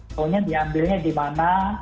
soalnya diambilnya di mana